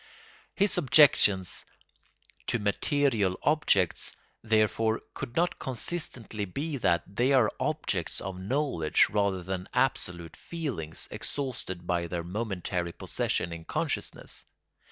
His objection to material objects, therefore, could not consistently be that they are objects of knowledge rather than absolute feelings, exhausted by their momentary possession in consciousness.